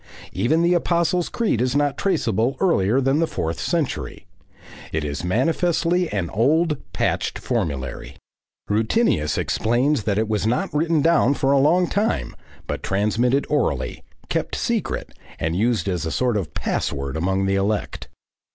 ...* Even the "Apostles' Creed" is not traceable earlier than the fourth century. It is manifestly an old, patched formulary. Rutinius explains that it was not written down for a long time, but transmitted orally, kept secret, and used as a sort of password among the elect.